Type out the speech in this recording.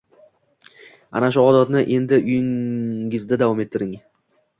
Ana shu odatni endi uyingizda davom ettiring.